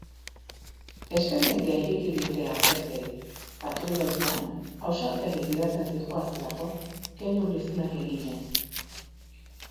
Espedientea ireki diete agenteei, patruila-autoan ausartegi gidatzen zihoazelako, keinu lizunak eginez.